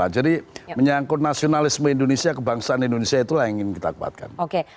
jadi menyangkut nasionalisme indonesia kebangsaan indonesia itulah yang ingin kita kembatkan